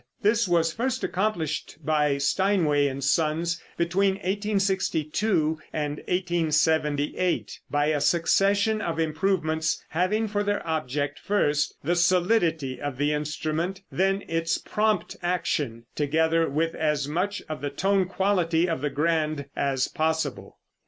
This was first accomplished by Steinway & Sons between 1862 and 1878, by a succession of improvements having for their object, first, the solidity of the instrument, then its prompt action, together with as much of the tone quality of the grand as possible.